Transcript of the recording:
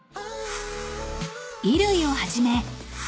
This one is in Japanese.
［衣類をはじめ］